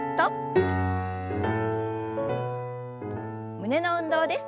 胸の運動です。